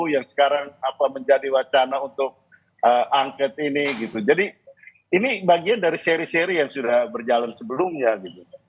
yang sekarang menjadi wacana untuk angket ini jadi ini bagian dari seri seri yang sudah berjalan sebelumnya gitu